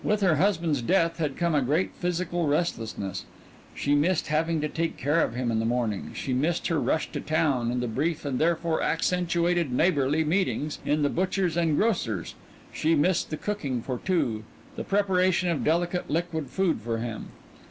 With her husband's death had come a great physical restlessness. She missed having to care for him in the morning, she missed her rush to town, and the brief and therefore accentuated neighborly meetings in the butcher's and grocer's; she missed the cooking for two, the preparation of delicate liquid food for him.